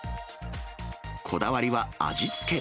こだわりは、味付け。